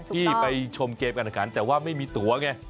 ที่ไปชมเกมการขันแต่ว่าไม่มีตัวไง